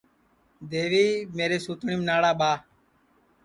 دیوی میری سوتٹؔیم ناڑا ٻاہ